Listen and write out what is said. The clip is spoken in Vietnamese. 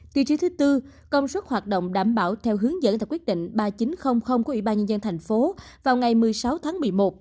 tiêu chí thứ tư công suất hoạt động đảm bảo theo hướng dẫn theo quyết định ba nghìn chín trăm linh của ủy ban nhân dân thành phố vào ngày một mươi sáu tháng một mươi một